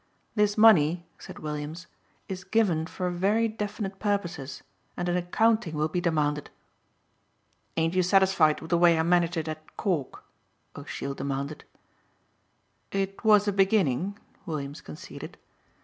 "This money," said Williams, "is given for very definite purposes and an accounting will be demanded." "Ain't you satisfied with the way I managed it at Cork?" O'Sheill demanded. "It was a beginning," Williams conceded.